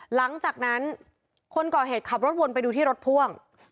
หลังจากนั้นคนก่อเหตุขับรถวนไปดูที่รถพ่วง